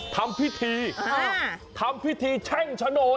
ทำพิธีทำพิธีแช่งโฉนด